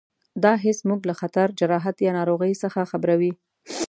دا حس موږ له خطر، جراحت یا ناروغۍ څخه خبروي.